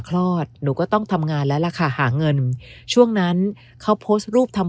คลอดหนูก็ต้องทำงานแล้วล่ะค่ะหาเงินช่วงนั้นเขาโพสต์รูปทำ